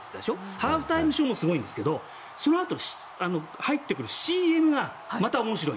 ハーフタイムショーもすごいんですけどそのあと入ってくるＣＭがまた面白い。